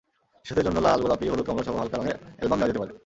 শিশুদের জন্য লাল, গোলাপি, হলুদ, কমলাসহ হালকা রঙের অ্যালবাম নেওয়া যেতে পারে।